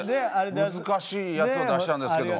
難しいやつを出したんですけども。